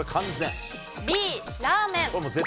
Ｂ、ラーメン。